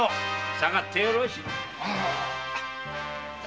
さがってよろしい。